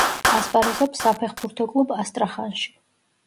ასპარეზობს საფეხბურთო კლუბ „ასტრახანში“.